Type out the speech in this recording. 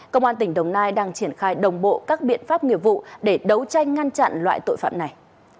công an tỉnh đồng nai đang triển khai đồng bộ các biện pháp nghiệp vụ để đấu tranh ngăn chặn loại tội phạm này